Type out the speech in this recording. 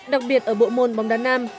đặc biệt ở bộ môn bóng đá nam